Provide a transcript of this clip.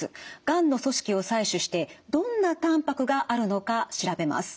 がんの組織を採取してどんなたんぱくがあるのか調べます。